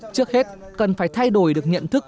trước hết cần phải thay đổi được nhận thức